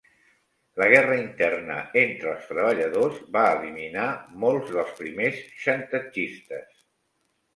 La guerra interna entre els treballadors va eliminar molts dels primers xantatgistes.